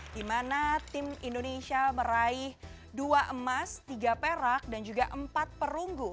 di mana tim indonesia meraih dua emas tiga perak dan juga empat perunggu